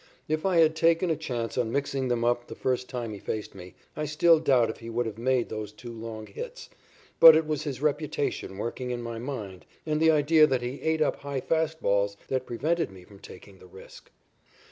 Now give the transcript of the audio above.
If I had taken a chance on mixing them up the first time he faced me, I still doubt if he would have made those two long hits, but it was his reputation working in my mind and the idea that he ate up high fast balls that prevented me from taking the risk.